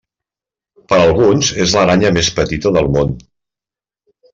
Per alguns, és l'aranya més petita en el món.